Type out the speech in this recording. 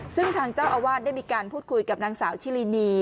ซึ่งทางเจ้าอาวาสได้มีการพูดคุยกับนางสาวชิลินี